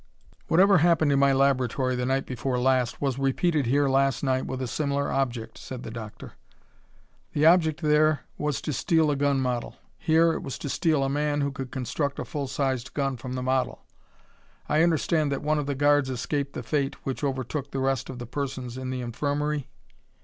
"Whatever happened in my laboratory the night before last was repeated here last night with a similar object," said the doctor. "The object there was to steal a gun model; here it was to steal a man who could construct a full sized gun from the model. I understand that one of the guards escaped the fate which overtook the rest of the persons in the infirmary?"